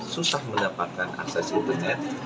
susah mendapatkan akses internet